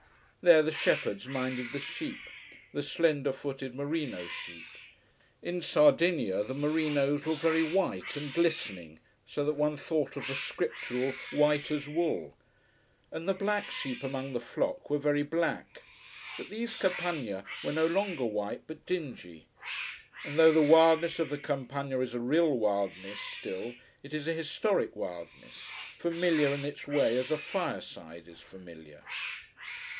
There the shepherds minded the sheep: the slender footed merino sheep. In Sardinia the merinos were very white and glistening, so that one thought of the Scriptural "white as wool." And the black sheep among the flock were very black. But these Campagna were no longer white, but dingy. And though the wildness of the Campagna is a real wildness still, it is a historic wildness, familiar in its way as a fireside is familiar.